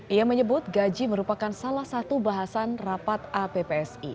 ia menyebut gaji merupakan salah satu bahasan rapat appsi